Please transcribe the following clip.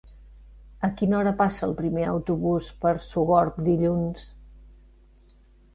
A quina hora passa el primer autobús per Sogorb dilluns?